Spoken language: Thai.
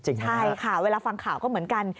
ใช่ค่ะเวลาฟังข่าวก็เหมือนกัน